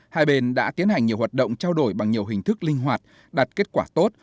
hai bên đã tiến hành nhiều hoạt động trao đổi bằng nhiều hình thức linh hoạt đạt kết quả tốt